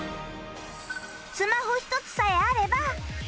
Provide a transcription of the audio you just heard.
スマホ一つさえあれば